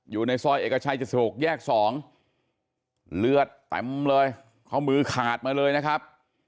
อยู่ในซอยเอกชัย๗๖แยก๒เลือดเต็มเลยข้อมือขาดมาเลยนะครับ